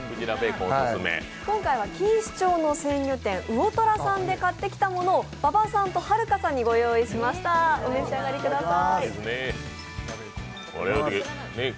今回は錦糸町の精肉店魚虎さんで買ってきたものを馬場さんとはるかさんにご用意しました、お召し上がりください。